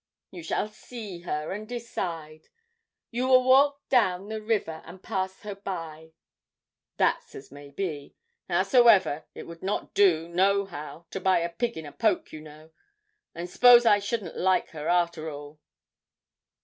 'You shall see her and decide. You will walk down the river, and pass her by.' 'That's as may be; howsoever, it would not do, nohow, to buy a pig in a poke, you know. And s'pose I shouldn't like her, arter all?'